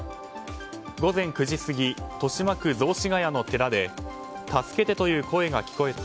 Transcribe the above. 午前９時過ぎ豊島区雑司が谷の寺で助けてという声が聞こえた。